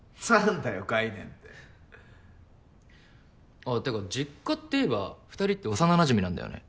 あってか実家っていえば２人って幼なじみなんだよね。